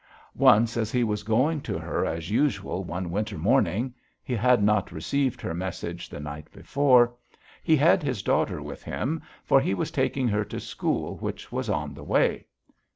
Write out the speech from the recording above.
Once as he was going to her as usual one winter morning he had not received her message the night before he had his daughter with him, for he was taking her to school which was on the way.